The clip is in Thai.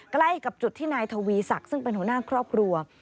ใกล้กับจุดที่นายทวีศักดิ์ซึ่งเป็นหัวหน้าครอบครัว